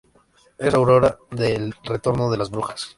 Es autora de "El retorno de las Brujas.